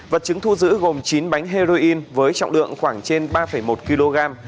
vật chứng thu giữ gồm chín bánh heroin với trọng lượng khoảng trên ba một kg